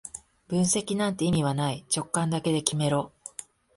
分析なんて意味はない、直感だけで決めろ